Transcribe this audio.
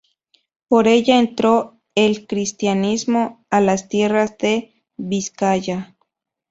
Por ella entró el cristianismo a las tierras de Vizcaya.